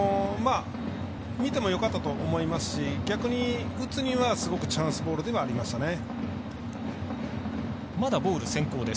見てもよかったと思いますし逆に打つには、すごくチャンスボールではありましたね。